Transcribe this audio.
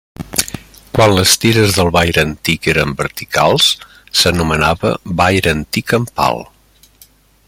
Quan les tires del vaire antic eren verticals s'anomenava vaire antic en pal.